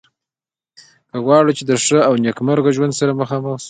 که غواړو چې د ښه او نیکمرغه ژوند سره مخامخ شو.